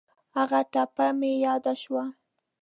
هغه ټپه مې یاد شوه.